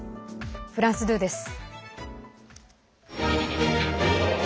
フランス２です。